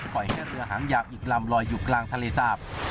ปล่อยให้เรือหางยาวอีกลำลอยอยู่กลางทะเลสาบ